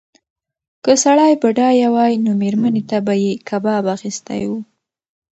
که سړی بډایه وای نو مېرمنې ته به یې کباب اخیستی و.